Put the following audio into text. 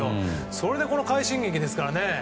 それでこの快進撃ですから。